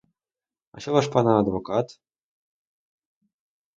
А що ваш пан адвокат?